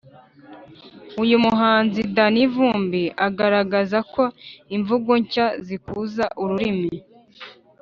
uyu muhanzi danny vumbi agaragaza ko imvugo nshya zikuza ururimi